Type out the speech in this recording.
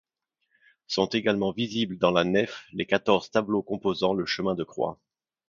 Sont également visibles dans la nef les quatorze tableaux composant le chemin de croix.